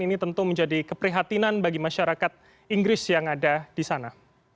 ini tentu menjadi keprihatinan bagi masyarakat inggris yang ada di sana